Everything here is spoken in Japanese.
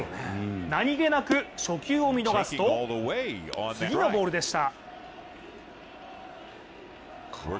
何気なく初球を見逃すと、次のボールでした。